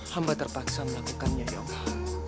hamba terpaksa melakukannya ya allah